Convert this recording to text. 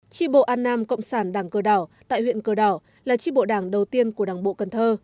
tri bộ an nam cộng sản đảng cờ đỏ tại huyện cờ đỏ là tri bộ đảng đầu tiên của đảng bộ cần thơ